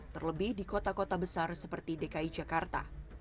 terlebih di kota kota besar seperti dki jakarta